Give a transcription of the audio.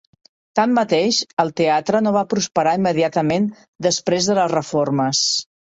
Tanmateix, el teatre no va prosperar immediatament després de les reformes.